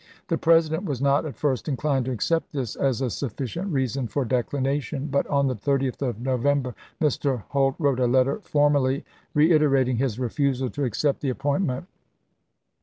The President was not at first inclined to accept this as a sufficient reason for declination ; but on the 30th of November Mr. Holt wrote a letter formally reiterating his refusal to accept the appointment.